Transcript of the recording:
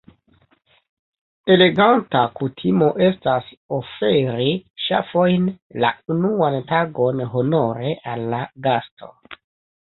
Eleganta kutimo estas oferi ŝafojn la unuan tagon honore al la gasto.